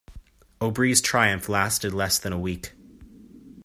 Obree's triumph lasted less than a week.